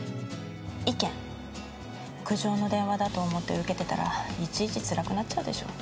「意見苦情の電話だと思って受けてたらいちいちつらくなっちゃうでしょ？」